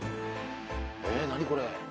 え何これ。